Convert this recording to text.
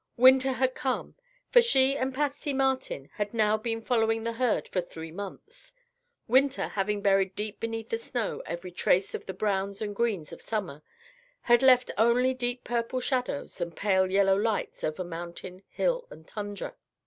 Winter had come, for she and Patsy Martin had now been following the herd for three months. Winter, having buried deep beneath the snow every trace of the browns and greens of summer, had left only deep purple shadows and pale yellow lights over mountain, hill and tundra.